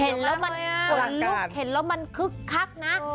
เห็นแล้วมันขนลุกเห็นแล้วมันคึกคักนะ